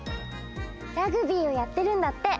ラグビーをやってるんだって。